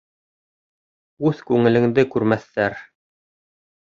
Үҙ күңелеңде күрмәҫтәр.